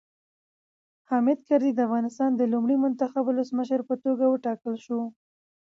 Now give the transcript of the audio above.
حامد کرزی د افغانستان د لومړي منتخب ولسمشر په توګه وټاکل شو.